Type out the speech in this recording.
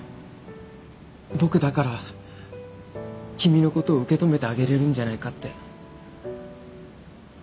僕だから君のことを受け止めてあげれるんじゃないかって。